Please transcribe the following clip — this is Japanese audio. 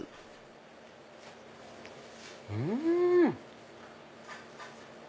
うん！